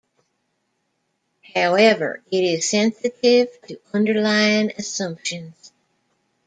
However, it is sensitive to underlying assumptions.